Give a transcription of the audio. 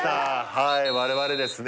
はい我々ですね